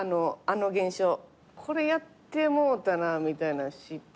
これやってもうたなみたいな失敗とか。